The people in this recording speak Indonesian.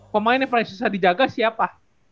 pemain yang paling susah dijaga siapa